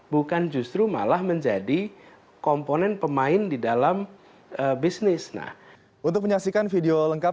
bukan justru malah menjadi komponen pemain di dalam bisnis